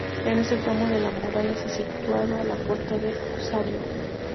En este tramo de la muralla se situaba la puerta de Osario.